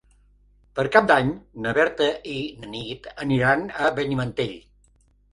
Per Cap d'Any na Berta i na Nit aniran a Benimantell.